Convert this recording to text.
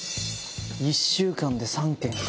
１週間で３件か。